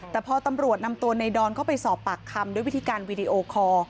แต่พอตำรวจนำตัวในดอนเข้าไปสอบปากคำด้วยวิธีการวีดีโอคอร์